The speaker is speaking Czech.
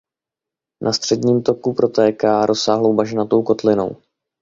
Na středním toku protéká rozsáhlou bažinatou kotlinou.